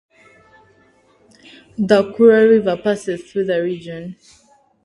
The Kura River passes through the region.